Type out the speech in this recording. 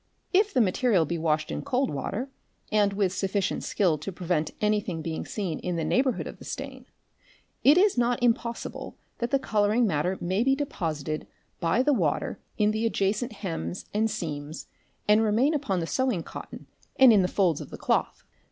If the material be washed in cold water and with sufficient skill 6 prevent anything being seen in the neighbourhood of the stain, it is no impossible that the colouring matter may be deposited by the water PRESERVATION 577 the adjacent hems and seams and remain upon the sewing cotton and in the folds of the cloth.